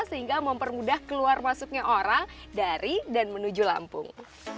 sehingga mempermudah keluar masuknya orang dari dan menuju lampung